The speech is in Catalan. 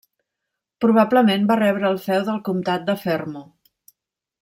Probablement va rebre el feu del comtat de Fermo.